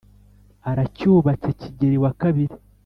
aracyubatse kigeli wa kabiri